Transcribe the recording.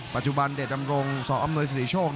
ปัจจุบันเดชดำรงสออำนวยสิริโชค